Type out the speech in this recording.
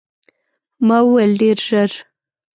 ما وویل، ډېر ژر.